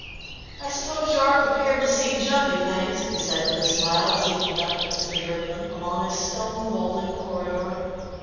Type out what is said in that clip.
"I suppose you are prepared to see jumpy things," he said with a smile, as he conducted Mr. Briggerland along a stone vaulted corridor.